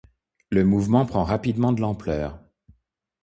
Le mouvement prend rapidement de l'ampleur.